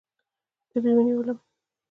تبې ونیولم.